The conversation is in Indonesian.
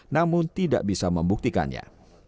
namun tidak bisa membuktikannya